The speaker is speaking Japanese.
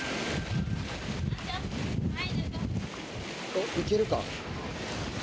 おっ行けるか？